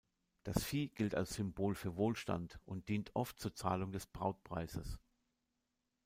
Das Vieh gilt als Symbol für Wohlstand und dient oft zur Zahlung des Brautpreises.